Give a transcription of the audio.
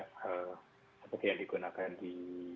seperti yang digunakan di